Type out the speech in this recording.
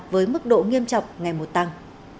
với mức độ nghiêm trọng ngày một tăng